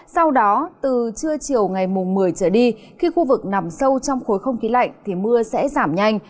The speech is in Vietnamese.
sau đó từ trưa chiều ngày một mươi trở đi khi khu vực nằm sâu trong khối không khí lạnh thì mưa sẽ giảm nhanh